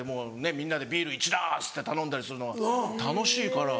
みんなでビール１ダースって頼んだりするのが楽しいから。